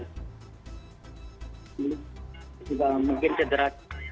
juga mungkin cedera